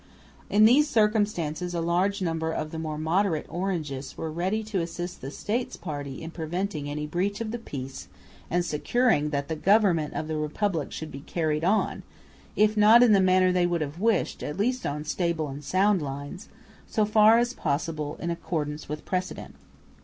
In these circumstances a large number of the more moderate Orangists were ready to assist the "States party" in preventing any breach of the peace and securing that the government of the republic should be carried on, if not in the manner they would have wished, at least on stable and sound lines, so far as possible in accordance with precedent.